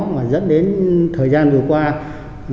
mà rất đều là một trong những cái nguyên nhân đó